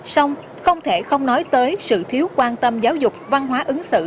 xong không thể không nói tới sự thiếu quan tâm giáo dục văn hóa ứng xử